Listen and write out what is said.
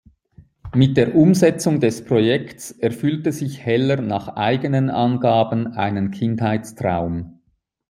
Mit der Umsetzung des Projekts erfüllte sich Heller nach eigenen Angaben einen Kindheitstraum.